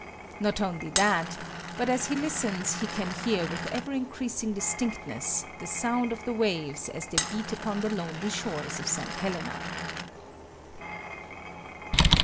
Not only that, but as he listens he can hear with ever increasing distinctness the sound of the waves as they beat upon the lonely shores of St. Helena.